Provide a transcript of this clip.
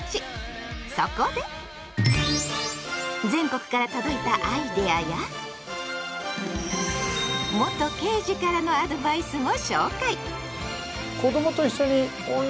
そこで全国から届いたアイデアや元刑事からのアドバイスも紹介。